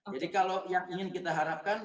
jadi kalau yang ingin kita harapkan